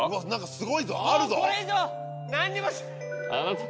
すごいぞ。